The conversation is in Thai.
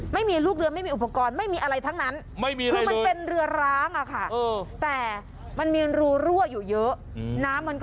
ไม่มีลูกเรือไม่มีอุปกรณ์มันเป็นเรือร้างแบบนั้นค่ะ